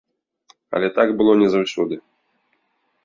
Але так было не заўсёды.